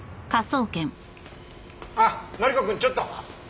あっマリコ君ちょっと。